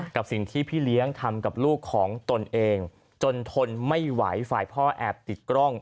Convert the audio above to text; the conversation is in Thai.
กับสิ่งที่พี่เลี้ยงทำกับลูกของตนเองจนทนไม่ไหวฝ่ายพ่อแอบติดกล้อง